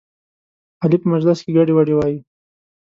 علي په مجلس کې ګډې وډې وایي.